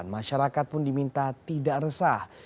masyarakat pun diminta tidak resah